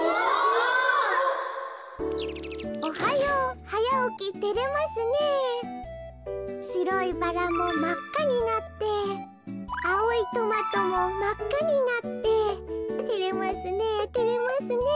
「おはようはやおきてれますねえしろいバラもまっかになってあおいトマトもまっかになっててれますねえてれますねえ